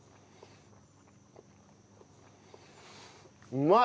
うまい！